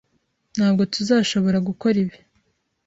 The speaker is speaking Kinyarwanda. Ntabwo tuzashobora gukora ibi.